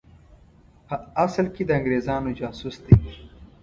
په اصل کې د انګرېزانو جاسوس دی.